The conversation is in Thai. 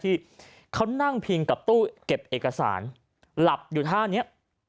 ที่เขานั่งพิงกับตู้เก็บเอกสารหลับอยู่ท่านี้